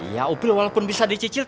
ya upil walaupun bisa dicicil